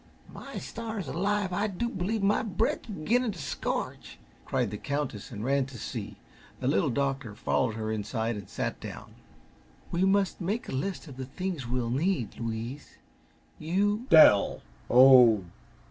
"My stars alive, I do b'lieve my bread's beginnin' t' scorch!" cried the Countess, and ran to see. The Little Doctor followed her inside and sat down. "We must make a list of the things we'll need, Louise. You " "Dell! Oh h.